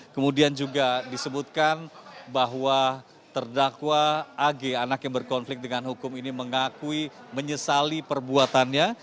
kemudian juga disebutkan bahwa terdakwa ag anak yang berkonflik dengan hukum ini mengakui menyesali perbuatannya